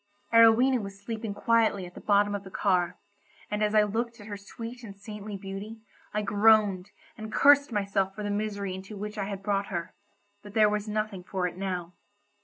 Arowhena was sleeping quietly at the bottom of the car, and as I looked at her sweet and saintly beauty, I groaned, and cursed myself for the misery into which I had brought her; but there was nothing for it now.